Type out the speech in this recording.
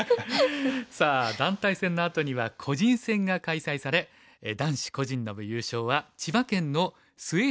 さあ団体戦のあとには個人戦が開催され男子個人の部優勝は千葉県の末原蓮さん。